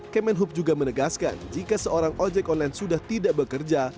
kemenhub juga menegaskan jika seorang ojek online sudah tidak bekerja